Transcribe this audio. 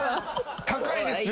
高いですよ